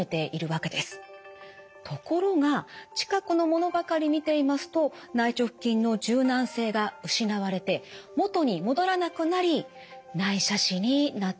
ところが近くの物ばかり見ていますと内直筋の柔軟性が失われて元に戻らなくなり内斜視になってしまうんです。